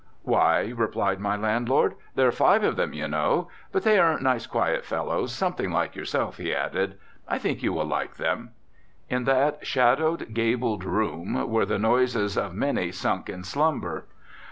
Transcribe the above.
"Why," replied my landlord, "there are five of them, you know. But they are nice quiet fellows. Something like yourself," he added. "I think you will like them." In that shadowed, gabled room were the noises of many sunk in slumber.